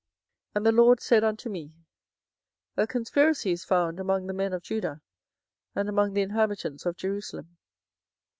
24:011:009 And the LORD said unto me, A conspiracy is found among the men of Judah, and among the inhabitants of Jerusalem.